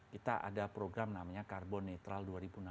kita ada program namanya carbon neutral dua ribu enam puluh